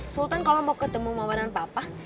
sultan kalau mau ketemu mama dan papa